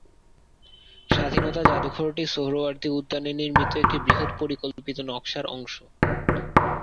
স্বাধীনতা জাদুঘরটি সোহরাওয়ার্দী উদ্যানে নির্মিত একটি বৃহৎ পরিকল্পিত নকশার অংশ।